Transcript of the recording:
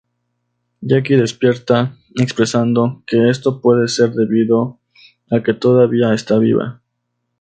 Jackie despierta expresando que esto puede ser debido a que todavía está viva.